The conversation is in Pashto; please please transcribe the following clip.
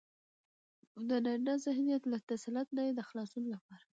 او دنارينه ذهنيت له تسلط نه يې د خلاصون لپاره